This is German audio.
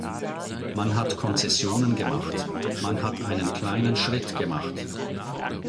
Man hat Konzessionen gemacht, man hat einen kleinen Schritt gemacht.